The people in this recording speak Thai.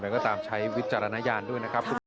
เราก็ตามใช้วิจารณญาณด้วยนะครับ